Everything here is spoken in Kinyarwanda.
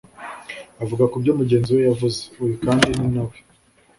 avuga ku byo mugenzi we yavuze. Uyu kandi ni na we